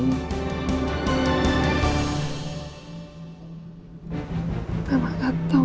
mama gak tau